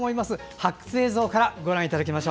発掘映像からご覧いただきます。